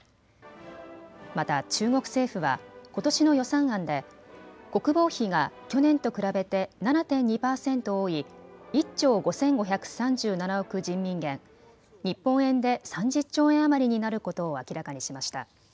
また中国政府はことしの予算案で国防費が去年と比べて７．２％多い１兆５５３７億人民元、日本円で３０兆円余りになることを明らかにしました。